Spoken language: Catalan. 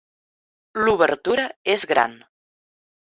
L'obertura és gran.